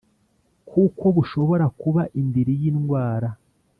kuko bushobora kuba indiri y’indwara